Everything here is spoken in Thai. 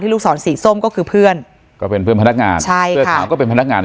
ที่ลูกศรสีส้มก็คือเพื่อนก็เป็นเพื่อนพนักงาน